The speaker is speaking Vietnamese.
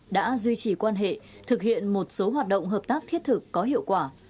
đã duy trì quan hệ thực hiện một số hoạt động hợp tác thiết thực có hiệu quả